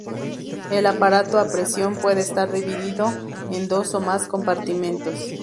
El aparato a presión puede estar dividido en dos o más compartimentos.